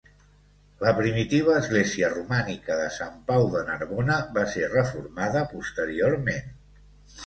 La primitiva església romànica de Sant Pau de Narbona va ser reformada posteriorment.